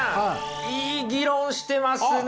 いい議論してますね！